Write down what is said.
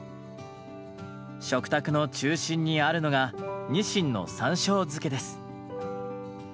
食卓の中心にあるのが「にしんの山しょう漬け」です。